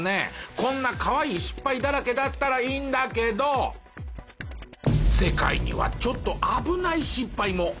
こんな可愛い失敗だらけだったらいいんだけど世界にはちょっと危ない失敗も。